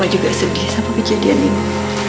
mama juga sedih sama kejadianmu